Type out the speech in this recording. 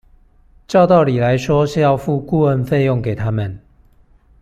照道理來說是要付顧問費用給他們